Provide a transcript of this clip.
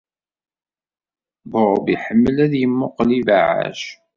Bob iḥemmel ad yemmuqqel ibeɛɛac.